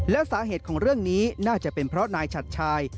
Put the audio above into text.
และสาเหตุของเรื่องนี้น่าจะเป็นเพราะนายฉัดชาย